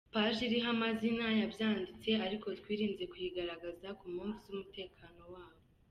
Paji iriho amazina y’abayanditse ariko twirinze kuyigaragaza ku mpamvu z’umutekano wabo.